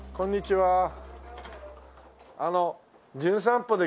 はい。